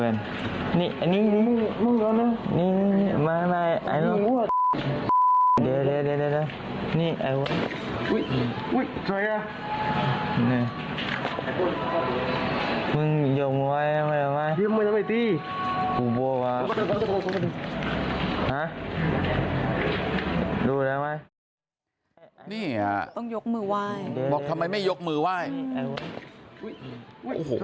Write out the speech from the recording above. นี่ฮะต้องยกมือไหว้บอกทำไมไม่ยกมือไหว้